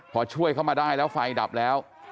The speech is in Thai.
พอช่วยเขามาได้แล้วไฟดับแล้ว